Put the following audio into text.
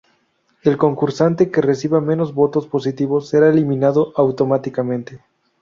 El concursante que reciba menos votos positivos, será eliminado automáticamente.